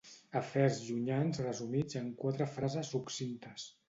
Afers llunyans resumits en quatre frases succintes.